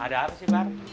ada apa sih bar